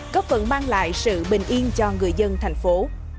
có phần mang lại sự bình yên cho người dân thành phố